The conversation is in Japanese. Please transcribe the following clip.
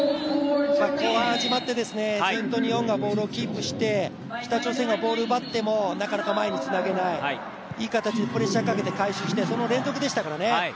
後半始まってずっと日本がボールをキープして北朝鮮がボールを奪ってもなかなか前につなげないいい形でプレッシャーかけて回収して、その連続でしたからね。